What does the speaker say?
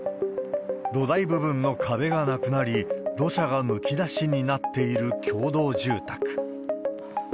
土台部分の壁がなくなり、土砂がむき出しになっている共同住宅。